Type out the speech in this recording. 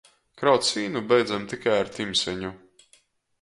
Kraut sīnu beidzam tik ar timseņu.